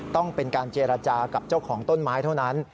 ต้องเป็นการเจรจากับเจ้าของต้นไม้เท่านั้น